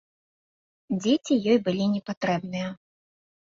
Дзеці ёй былі не патрэбныя.